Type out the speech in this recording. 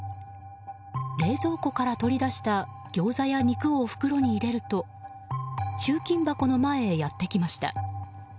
冷蔵庫から取り出したギョーザや肉を袋に入れると集金箱の前へやってきました。